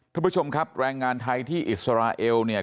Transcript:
ท่านผู้ชมครับแรงงานไทยที่อิสราเอลเนี่ย